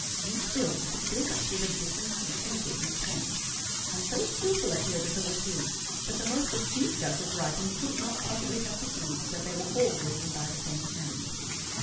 Each bill was filled up with a different ink and a different pen; and so skilful a caligrapher was he, that the most astute judge of writing could not possibly have perceived that they were all written by the same hand.